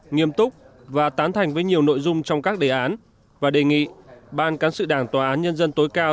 nghiêm túc và tán thành với nhiều nội dung trong các đề án và đề nghị ban cán sự đảng tòa án nhân dân tối cao